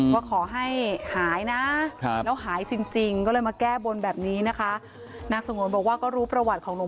ว่าขอให้หายนะแล้วหายจริงก็เลยมาแก้บนแบบนี้นะคะ